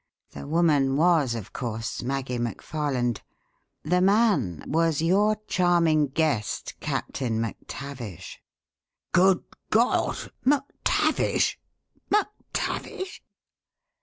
The woman was, of course, Maggie McFarland. The man was your charming guest, Captain MacTavish!" "Good God! MacTavish? MacTavish?"